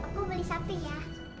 aku beli satu ya